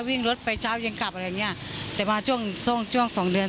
วิ่งรถไปเช้ายังกลับอะไรอย่างเงี้ยแต่มาช่วงช่วงสองเดือน